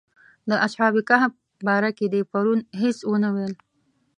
د اصحاب کهف باره کې دې پرون هېڅ ونه ویل.